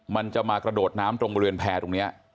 มันจะมากระโดดน้ำตรงบริเวณแพร่ตรงนี้